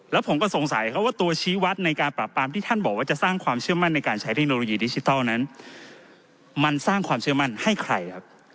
แล้วผมก็สงสัยครับว่าตัวชี้วัดในการปราบปรามที่ท่านบอกว่าจะสร้างความเชื่อมั่นในการใช้เทคโนโลยีดิจิทัลนั้นมันสร้างความเชื่อมั่นให้ใครครับ